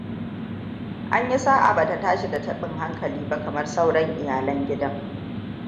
An yi sa'a bata tashi da taɓin hankali ba kamar sauran iyalan gidan.